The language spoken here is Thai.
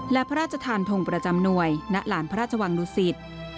และพระราชทานทงประจำหน่วยณหลานพระราชวังดุสิต